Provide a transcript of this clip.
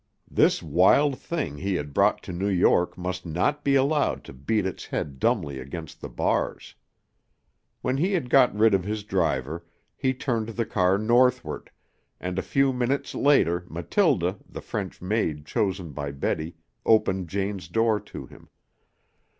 This wild thing he had brought to New York must not be allowed to beat its head dumbly against the bars. When he had got rid of his driver, he turned the car northward, and a few minutes later Mathilde, the French maid chosen by Betty, opened Jane's door to him.